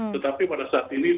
tetapi pada saat ini